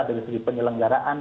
dari segi penyelenggaraan